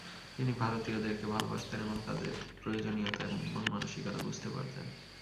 তিনি ভারতীয়দেরকে ভালোবাসতেন এবং তাদের প্রয়োজনীয়তা এবং মন মানসিকতা বুঝতে পারতেন।